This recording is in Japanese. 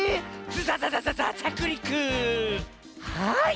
はい！